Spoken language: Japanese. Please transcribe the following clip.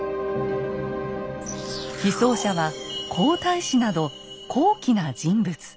被葬者は皇太子など高貴な人物。